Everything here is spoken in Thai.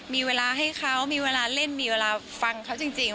มีเวลาให้เขามีเวลาเล่นมีเวลาฟังเขาจริง